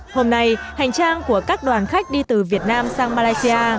hôm nay hành trang của các đoàn khách đi từ việt nam sang malaysia